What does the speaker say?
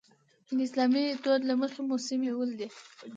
د اسلامي دود له مخې مو سیمې ولیدې.